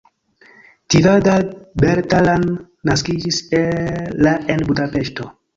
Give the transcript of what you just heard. Tivadar Bertalan naskiĝis la en Budapeŝto.